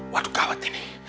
waduh gawat ini